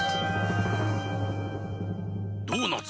ドーナツ。